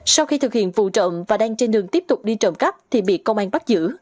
sau khi thực hiện vụ trộm và đang trên đường tiếp tục đi trộm cắp thì bị công an bắt giữ